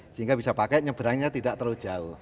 sehingga bisa pakai nyebrangnya tidak terlalu jauh